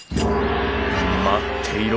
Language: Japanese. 待っていろ！